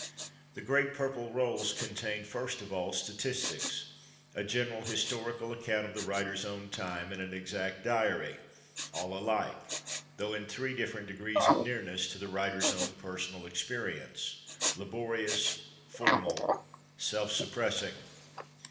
The great purple rolls contained, first of all, statistics, a general historical account of the writer's own time, and an exact diary; all alike, though in three different degrees of nearness to the writer's own personal experience, laborious, formal, self suppressing.